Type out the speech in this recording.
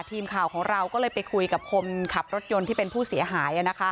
ทีมข่าวของเราก็เลยไปคุยกับคนขับรถยนต์ที่เป็นผู้เสียหาย